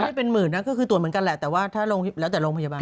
ไม่เป็นหมื่นนะก็คือตรวจเหมือนกันแหละแต่ว่าถ้าลงแล้วแต่โรงพยาบาล